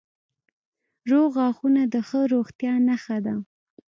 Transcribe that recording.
روغ غاښونه د ښه روغتیا نښه ده.